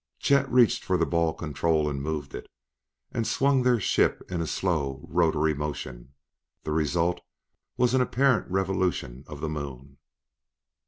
Chet reached for the ball control, moved it, and swung their ship in a slow, rotary motion. The result was an apparent revolution of the Moon.